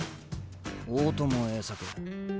大友栄作。